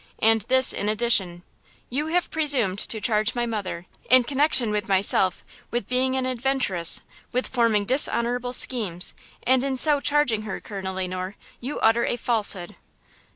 And this in addition; You have presumed to charge my mother, in connection with myself, with being an adventuress; with forming dishonorable 'schemes,' and in so charging her, Colonel Le Noir, you utter a falsehood!"